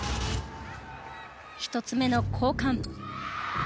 １つ目の交換。